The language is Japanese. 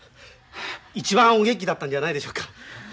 一番お元気だったんじゃないでしょうか。